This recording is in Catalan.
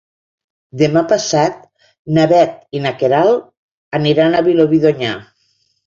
Demà passat na Bet i na Queralt aniran a Vilobí d'Onyar.